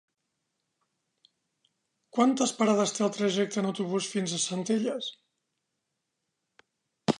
Quantes parades té el trajecte en autobús fins a Centelles?